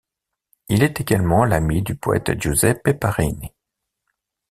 Il est également l'ami du poète Giuseppe Parini.